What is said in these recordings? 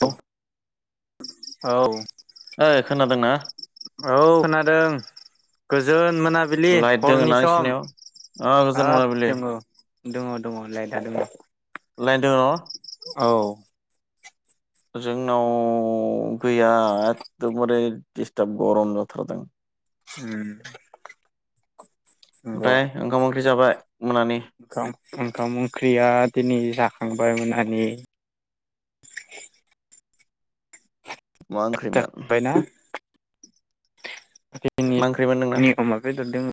औ औ ओइ खोनादोंना औ खोनादों गोजोन मोनाबिलि लाइट दोङो हरनि ना सम नोंसिनियाव? ओ गोजोन हाब मोनाबिलि दङ दङ दङलाय दा दङ लाइट दङ औ जोंनाव गैया एखदमबारे दिस्टार्ब गरम जाथारदों उम नंगौ ओमफ्राय ओंखाम ओंख्रि जाबाय? मोनानि ओंखाम ओंख्रिया दिनै जा थांबाय मोनानि मा ओख्रैमोन जाखांबायना मा ओंख्रिमोन नोंना? अमा बेदरदोंमोन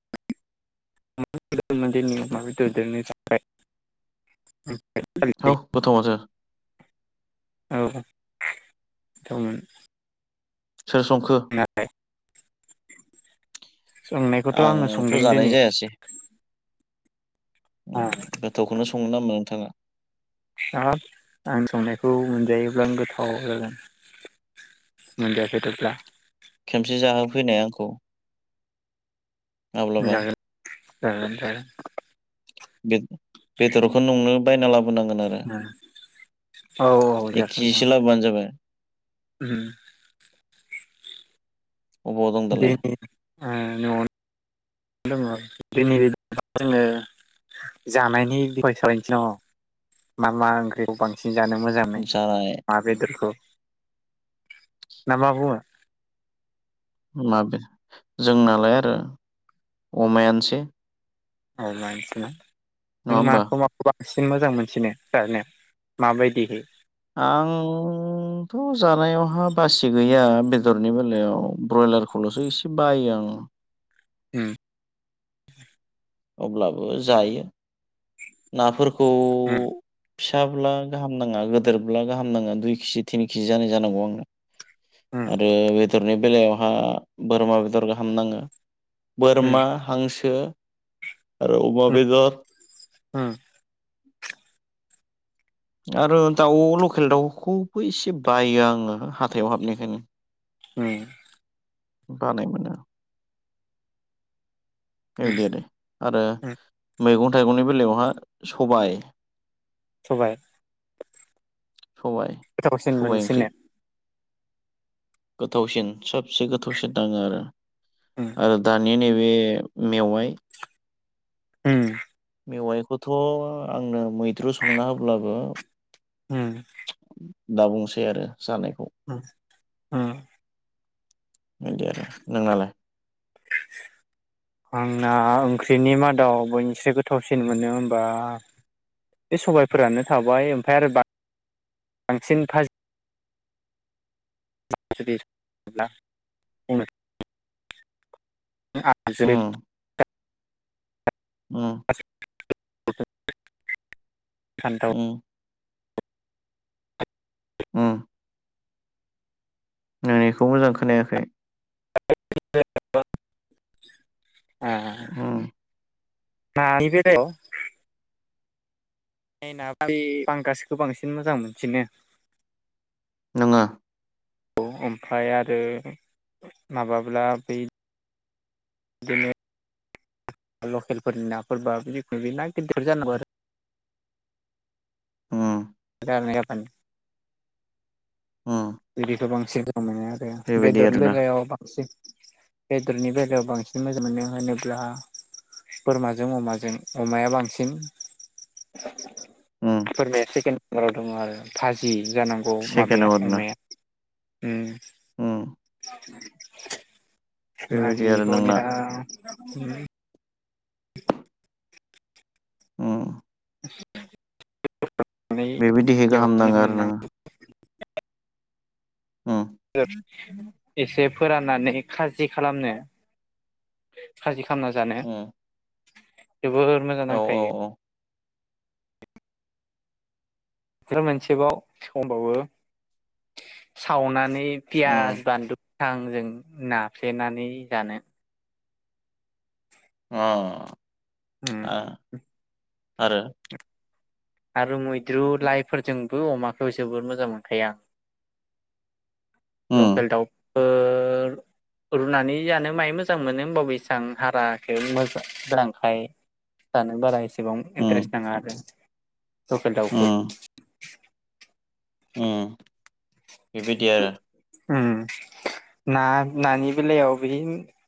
[unintelligible] औ गोथावमाथो औ जमोन सोर संखो? संनायखौथ' आङो आंथ' संदों जानाय दिनै जायासै गोथावखौनो सङो नामा नोंथाङा? हाब आं संनायखौ मोनजायोब्ला गोथाव जागोन। [unintelligible] खेमसे जाहोफैनाय आंखौ माब्लाबा जागोन जागोन जागोन बे बेदरखौ नोंनो बायना लाबोनांगोन आरो औ जागोन एकखिजिसो जागोन लाबोबान जाबाय उम अबाव दं दि दालाय दं दिनै जोङो जानायनि बिखय सावरायनोसै न मा मा ओंख्रिखौ बांसिन जानो मोजां जानाय मा बेदरखौ ना मा बुङो? जोंनालाय आरो अमायानोसै औ नङा नों होमबा? माखौ माखौबा एसिन मोजां मोनसिनो सारनाया माबायदिहै आंथ' जानायावहा बासि गैया बेदरनि बेलायाव औ ब्रयलारखौल'सो एसे बायो आङो होम अब्लाबो जायो नाफोर [inaudible] फिसाब्ला गाहाम नाङा गोदोरब्ला गाहाम नाङा दुइ केजि तिन केजि जानाय जानांगौ आंनो उम आरो बेदरनि बेलायावहा बोरमा बेदर गाहाम नाङो उम बोरमा, हांसो आरो उमा बेेदर उम उम आरो दाउ लकेल दाउखौबो एसे बायो आङो हाथायाव हाबनाय खायनो उम बानाय मोना उम बेबायदि आरो उम आरो मैगं थाइगंनि बेलायावहा सबाय सबाय सबाइ गोथावसिन सबायाइ ओंख्रि मोनसिनो गोथावसिन सबसे गोथावसिन नाङो आरो उम आरो दा नि नैबे मेवाइ ओम मेवाइखौथ' आंनो मैद्रु संना होब्लाबो ओम दा बुंसै आरो जानाय ओम बिदि आरो नोंनालाय? आंना ओंख्रिनि मादाव बयनिसे गोथावसिन मोनो हबा बे सबायफोरानो थाबाय ओमफ्राय आरो बांसिन फाजि [unintelligible] आ [unintelligible] उम उम [unintelligible] ओम ओम नोंनिखौ मोजां खोनायाखै [unintelligible] ह ना [unintelligible] [unintelligible] ना बांसिन मोजां मोनसिनो नोङो औ ओमफ्राय आरो माबाब्ला बै [unintelligible] लकेलफोरनि नाफोरबा जिखुनु ना गिदिर जानांगौ आरो उम [inaudible] जानो ओम बिदिखौ बांसिन [inaudible] मोनो आरो बेदरनि आरोना जायगायाव बांसिन बेदलनि बेलायाव बांसिन मोजां मोनो होनोब्ला बोरमाजों अमाजों अमाया बांसिन उम फोरमाया सेकेणड [inaudible] दङ आरो फाजि जानां आं माबया सेकेन्डआव आरोना अमाया ओम उम बेबायदि आरो नोंना [unintelligible] ओम [inaudible] नै बेबायदिखाय गाहाम एवनो नाङो आरो मोननां नोङो [unintelligible] उम [inaudible] एसे फोराननानै खाजि खालामनो खालामना जानो उम जोबोर मोजां औ औ नांखायो। औ बे मोनसेबाव समबावबो सावनानै। उम पियास बानलु थां जों नाफ्लेनानै जानो। अ। ओ। आ आरो। आरो मैद्रु लाइफोरजोंबो अमाखौ जबोर मोजां मोनखायो आं। [inaudible] उम लकेल दाउ। [inaudible] रुनानै जानो माइ मोजां मोनो होमबा बेसेबां हाराखौ मोजां गोरांखाय। जानो बारा एसेबां उम इन्टारेस्ट नाङा आरो। लखेल दाउखौ। उ बेबायदि आरो। उम ना नानि बेलायाव बे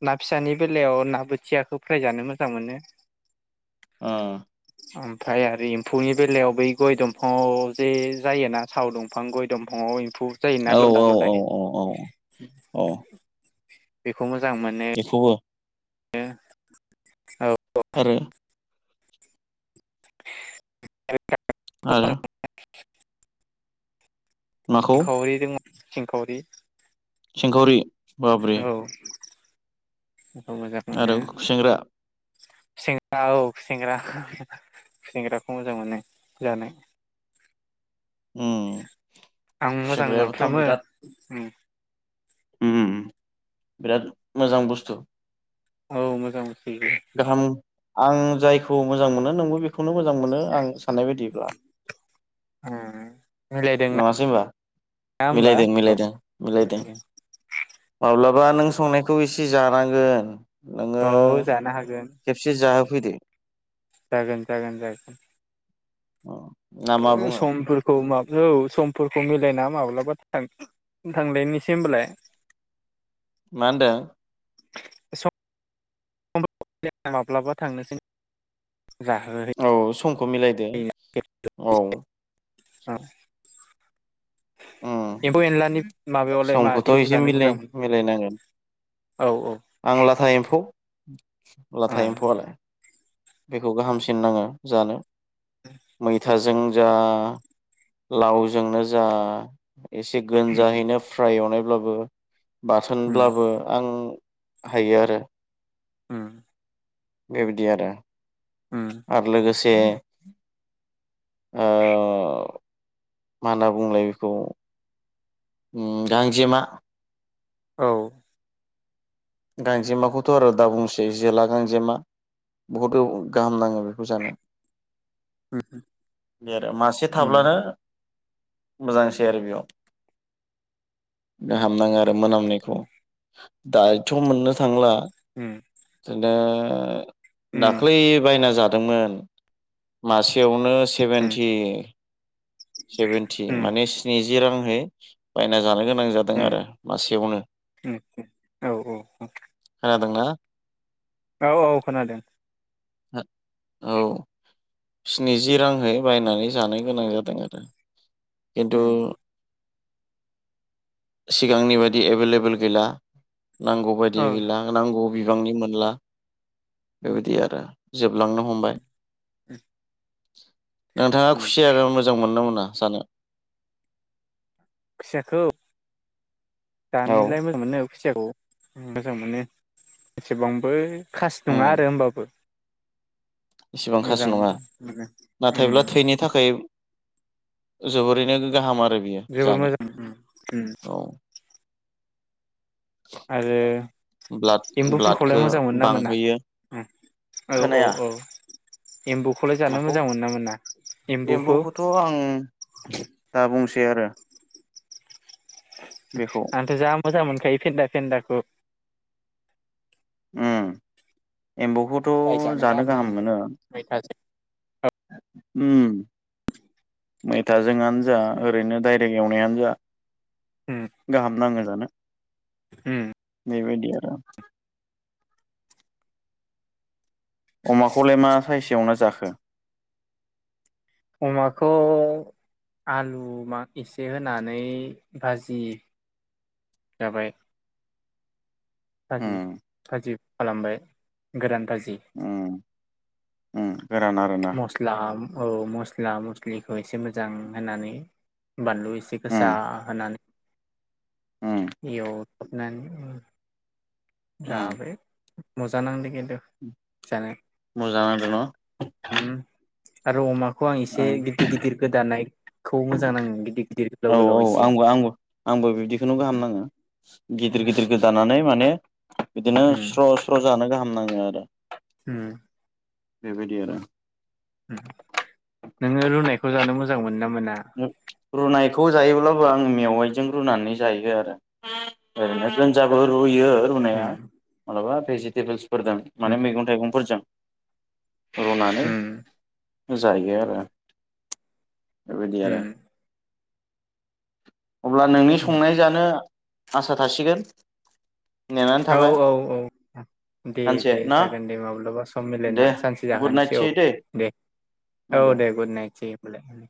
ना फिसानि बेलायाव ना बोथियाखौ फ्रायजानो मोजां मोनो। [inaudible] उम ओमफ्राय आरो एम्फौनि बेलायाव बै गय दंफाङाव जे जायोना साव दंफां गय दंफां। नआव इम्फौ जायोना औ लदा औ लदानि। औ औ औ खौ मोजां मोनो। बेखौबो नो। आरो। आरो। [inaudible] माखौ सिंखावरि दङ सिंखावरि। सिंखावरि। बाब्रि औ। बेखौ मोजां मोनो आरो खुसेंग्रा सिङाव। सेंग्रा सेंग्राखौ मोजां मोनो जानो। उम आं मोजां खुसेंग्रायाबोथ' मोनफ्रामो ओ। ओ बिराद मोजां बुस्थु। औ मोजां। मोनसोयो गाहाम आं जायखौ मोजां मोनो नोंबो बेखौनो मोजां मोनो आं साननाय बायदिब्ला। ओ। नङासै बा होमबा मिलायदों मिलायदों मिलायदों। माब्लाबा नों संनायखौ एसे जानांगोन नोङो। जोनो हागोन खेबसे जाहोफैदो जागोन जागोन जागोन। अ। ओ समफोरखौ मा औ समफोरखौ मिलायना माब्लाबा थांदिनोसै होनबालाय। मा होनदो? सम माब्लाबा थांनोसै जाहोहैनो औ समखौ मिलायदो औ। औ। उम एम्फौ एनलानि माबायावलाय समखौथ' मादिखौ एसे जानो मिलाय मोजां मोनो? मिलायनांगोन औ औ आं लाथा एम्फौ ओ लाथा एम्फौआलाय बेखौ गाहामसिन नाङो जानो। मैथाजों जा लावजोंनो जा एसे गोनजाहैनो फ्राय एवनायब्लाबो उम बाथोनब्लाबो आं हायो आरो। उम बेबायदि आरो उम आरो लोगो से ओ मा होनना बुंलाय बेखौ उम गांजेमा औ गांजेमाखौथ' आरो दा बुंसै जोला गांजेमा बुहुथ औ गाहाम नाङो बेखौ जानो। उम बिदि आरो मासे उम थाब्लानो मोजांसै आरो बेयाव। गाहाम नाङो आरो मोनामनायखौ दायथ' मोननो थांला। उम ओ उम दाख्लै बायना जादोंमोन मासेयावनो उम सेभेनथि सेभेनथि माने स्नि जि राङै बायना जानो गोनां जादों उम आरो मासेयावनो। उम [unintelligible] खोनादोंना? औ औ खोनादों। औ स्निजि रांहै बायनानै जानो गोनां जादों आरो। किन्थु उम सिगांनि बायदि एभेलेबेल गैला नांगौ बायदि औ गैला नांगौ बिबांनि मोनला बेबायदि आरो जोबलांनो हमबाय। [unintelligible] नोंथाङा उम खुसिया मोजां मोननो मोना जानो? खुसियाखौ औ जानोलाय मोजां मोनो। खुसियाखौ मोजां मोनो एसेबांबो खास उम नङा आरो होमबाबो। इसेबां खास' मोजां नङा मोनो उम नाथायब्ला थैनि थाखाय जोबोरैनो गाहाम आरो बियो जोबोर जानो मोजां उम उम औ। आरो ब्लाड एम्बुफोरखौलाय ब्लाडखौ मोजां मोनो ना मोना? बांहोयो औ औ खोनाया औ एम्बुखौलाय जानो माखौ मोजां मोन ना मोना? एम्बुखौ एम्फौखौथ' आं दा बुंसै आरो। बेखौ आंथ' जा मोजां मोनखायो फेन्दा फेन्दाखौ। उम एम्बौखौथ' जानो गाहाम मोनो। मैथाजों उम मैथाजोंआनो जा ओरैनो दडाइरेक एवनायानो जा उम गाहाम नाङो जानो उम बेबादि आरो अमाखौलाय मा साइसेय एवना जाखो? अमाखौ आलु मा एसे होनानै भाजि जाबाय उम फाजि फाजि खालामबाय गोरान फाजि उम उम गोरान आरोना मस्ला औ मस्ला मस्लिखौ एसे मोजां होनानै बानलु एसे उम गोसा होनानै उम एवथाबनानै ओं उम जाबाय मजा नांदो किन तु जानो मोजां आरो उम आरो अमाखौ आं एसे न' गिदिर गिदिर गोदानायखौ मोजां नाङो गिदि औ औ आंबो आंबो आंबो बिदिखौनो गाहाम उम नाङो गिदिर गिदिर गोदानानै माने बिदिनो उम स्र स्र जानो गाहाम नाङो आरो उम बेबायदि आरो उम नोङो रुनायखौ जानो मोजां मोनो ना? मोना? उम रुनाय खौ जायोब्लाबो आं मेवाइजों रुनानै जायो आरो ओरैनो गोजाबो रुयो रुनाया उम मालाबा भेजिटेबोल्सफोर दों उम माने मैगं थाइगंफोरजों रुनानै उम जायो आरो बेबायदि आरो उम अब्ला नोंनि उम संनाय जानो आसा थासिगोन नेनानै औ थाबाय औ औ दे सानसे दे ना जागोन दे माब्लाबा सम मिलायना दे सानसे गुड जाहोनोसै औ नाइटसै दै दे औ आदा। दे गुद नाइटसै होमबलाय